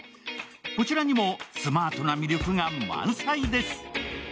こちらにもスマートな魅力が満載です。